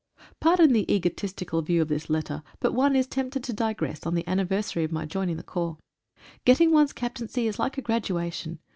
Pardon the egotistical view of this letter, but one is tempted to digress on the anniversary of my joining the corps. Getting one's captaincy is like a graduation.